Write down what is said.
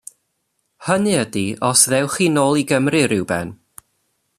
Hynny ydi os ddewch chi nôl i Gymru rhyw ben.